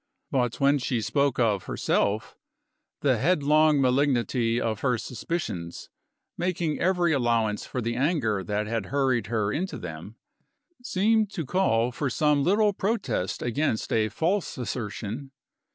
But when she spoke of herself, the headlong malignity of her suspicions making every allowance for the anger that had hurried her into them seemed to call for some little protest against a false assertion.